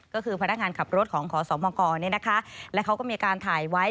ก็คือพนักงานขับรถของขอสมกรและเขาก็มีการถ่ายไว้